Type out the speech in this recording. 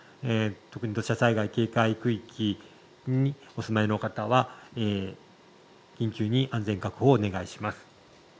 特に土砂災害警戒区域にお住まいの方は緊急に安全確保をお願いします。